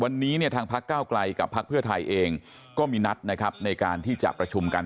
วันนี้เนี่ยทางพักเก้าไกลกับพักเพื่อไทยเองก็มีนัดนะครับในการที่จะประชุมกัน